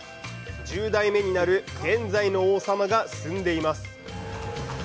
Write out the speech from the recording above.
１０代目になる現在の王様が住んでいます。